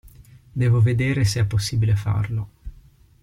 Devo vedere se è possibile farlo.